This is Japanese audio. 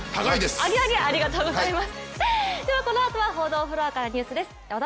アゲアゲ、ありがとうございます。